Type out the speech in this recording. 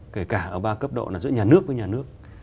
kể cả ở ba cấp độ là giữa nhà nước với nhà nước